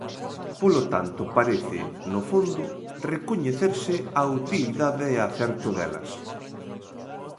Polo tanto, parece, no fondo, recoñecerse a utilidade e acerto delas.